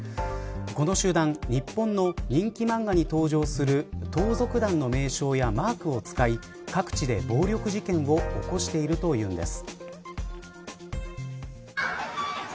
この集団日本の人気漫画に登場する盗賊団の名称やマークを使い各地で暴力事件を起こしているというんです。